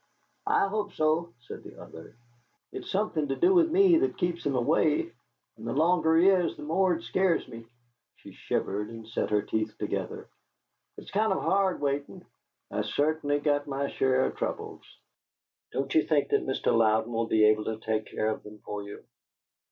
"I hope so," said the other. "It's something to do with me that keeps him away, and the longer he is the more it scares me." She shivered and set her teeth together. "It's kind of hard, waitin'. I cert'nly got my share of troubles." "Don't you think that Mr. Louden will be able to take care of them for you?"